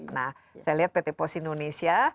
nah saya lihat pt pos indonesia